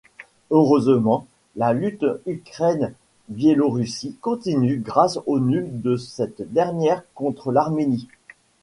Heureusement, la lutte Ukraine-Biélorussie continue grâce au nul de cette dernière contre l'Arménie.